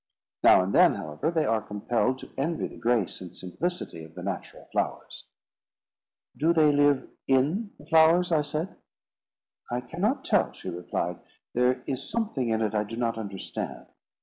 Now and then, however, they are compelled to envy the grace and simplicity of the natural flowers." "Do they live in the flowers?" I said. "I cannot tell," she replied. "There is something in it I do not understand.